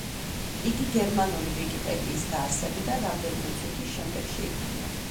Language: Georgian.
იგი გერმანული ვიკიპედიის დაარსებიდან რამდენიმე წუთის შემდეგ შეიქმნა.